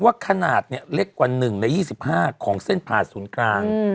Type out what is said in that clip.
ว่าขนาดเล็กกว่า๑ใน๒๕ของเส้นผ่าศูนย์กลาง